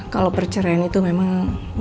kalau perceraian itu memang